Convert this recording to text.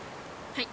はい。